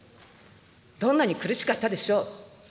どんなに苦しかったでしょう。